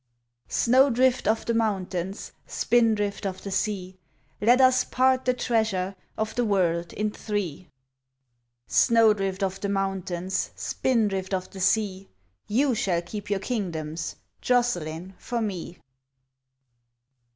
Snowdrift of the mountains, Spindrift of the sea, Let us part the treasure Of the world in three. Snowdrift of the mountains, Spindrift of the sea, You shall keep your kingdoms; Joscelyn for me!